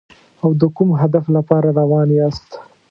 او د کوم هدف لپاره روان یاست.